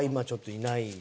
いないの？